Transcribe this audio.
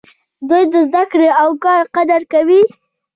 دوی د زده کړې او کار قدر کوي.